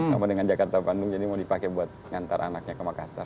sama dengan jakarta bandung jadi mau dipakai buat ngantar anaknya ke makassar